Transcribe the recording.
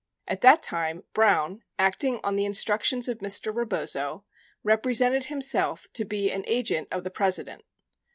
65 At that time, Brown, acting on the instructions of Mr. Rebozo, repre sented himself to be an agent of the President.